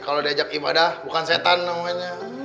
kalau diajak ibadah bukan setan namanya